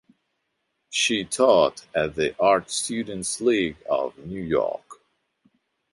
She taught at the Art Students League of New York.